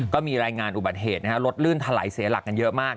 ก็มีรายงานอุบัติเหตุรถลื่นถลายเสียหลักกันเยอะมาก